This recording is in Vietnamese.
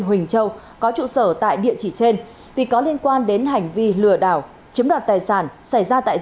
huỳnh châu có trụ sở tại địa chỉ trên tuy có liên quan đến hành vi lừa đảo chứng đoạt tài sản xảy ra